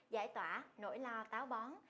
giải tỏa nỗi lo táo bón